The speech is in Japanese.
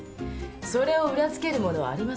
それを裏付けるものはありません。